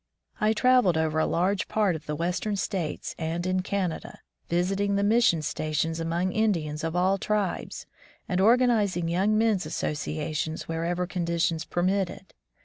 I traveled over a large part of the western states and in Canada, visiting the mission stations among Indians of all tribes, and organizing young men's asso ciations wherever conditions permitted.